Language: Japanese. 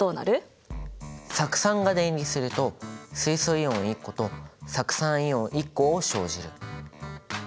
酢酸が電離すると水素イオン１個と酢酸イオン１個を生じる。